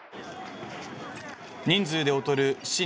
人数で劣る親